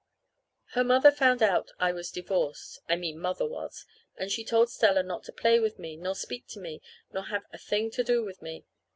Her mother found out I was divorced (I mean Mother was) and she told Stella not to play with me, nor speak to me, nor have a thing to do with me.